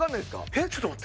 えっちょっと待って。